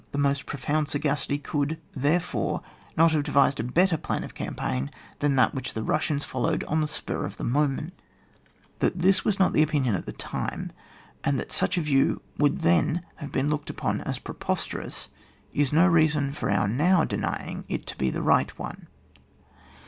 The most profound saga city could, therefore, not have devised a better plan of campaign than tliat which the Bussians followed on the spur of the moment. CHAP. IX.] PLAN OF WAR FOR DE8TR UCTION OF TEE ENEMY. 75 That this was not the opinion at the time, and that such a view would then haye been looked upon as preposterous, is no reason for our now denpng it to be the right one.